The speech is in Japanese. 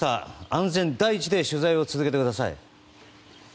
安全第一で取材を続けてください。